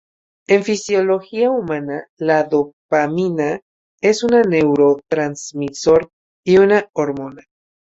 En fisiología humana, la dopamina es un neurotransmisor y una hormona.